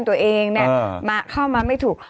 ตัวเองเนี่ยเข้ามาไม่ถูก